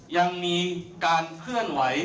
ยังมีการเคลื่อนไหว